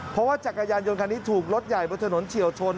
เพราะว่าจักรยานยนต์คันนี้ถูกรถใหญ่บนถนนเฉียวชน